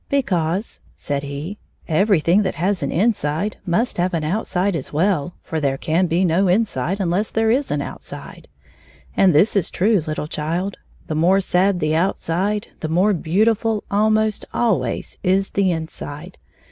" Because," said he, "everything that has an inside must have an outside as well, for there can be no in side unless there is an outside. And this is true, httle child: the more sad the outside, the more beautiftQ almost always is the inside.